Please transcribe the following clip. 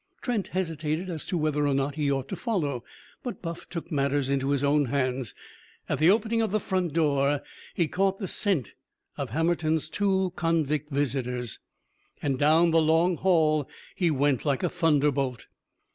Trent hesitated as to whether or not he ought to follow. But Buff took matters into his own hands. At the opening of the front door he caught the scent of Hammerton's two convict visitors. And down the long hall he went like a thunderbolt.